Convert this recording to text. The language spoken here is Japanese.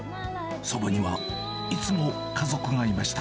そばには、いつも家族がいました。